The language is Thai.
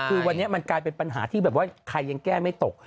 คือวันนี้มันกลายเป็นปัญหาที่แบบว่าใครยังแก้ไม่ตก